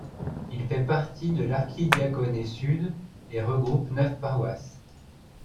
Il fait partie de l'archidiaconé sud et regroupe neuf paroisses.